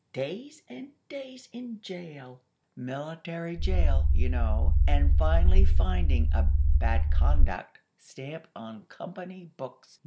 Days and days in jail, military jail, you know, and finally finding a 'bad conduct' stamp on Company books.